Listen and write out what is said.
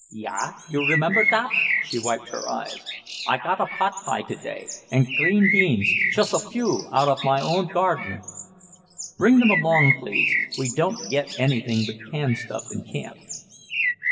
"Ya? You remember dat?" she wiped her eyes. "I got a pot pie today, and green peas, chust a few, out of my own garden." "Bring them along, please. We don't get anything but canned stuff in camp."